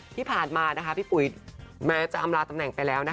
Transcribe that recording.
ที่ผ่านมานะคะพี่ปุ๋ยแม้จะอำลาตำแหน่งไปแล้วนะคะ